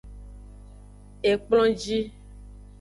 Ekplonji.